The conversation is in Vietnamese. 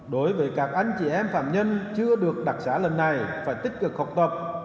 đối với các anh chị em phạm nhân chưa được đặc xá lần này phải tích cực học tập